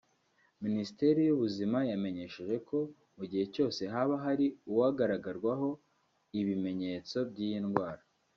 Minisiteri y’Ubuzima yamenyesheje ko mu gihe cyose haba hari uwagaragarwaho ibimenyetso by’iyi ndwara